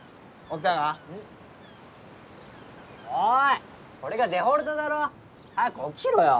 おいこれがデフォルトだろ？早く起きろよ！